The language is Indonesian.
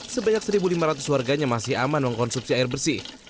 sebanyak satu lima ratus warganya masih aman mengkonsumsi air bersih